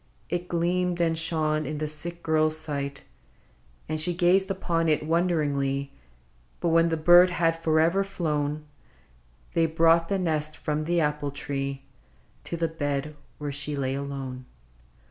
It gleamed and shone in the sick girl's sight, And she gazed upon it wonderingly : But when the bird had forever flown. They brought the nest from the apple tree To the bed where she lay alone.